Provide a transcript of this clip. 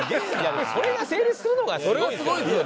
それが成立するのがすごいっすよ。